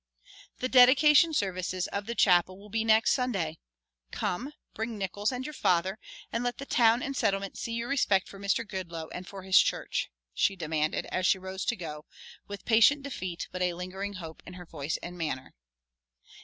"The dedication services of the chapel will be next Sunday. Come, bring Nickols and your father, and let the Town and Settlement see your respect for Mr. Goodloe and for his church," she demanded, as she rose to go, with patient defeat but a lingering hope in her voice and manner.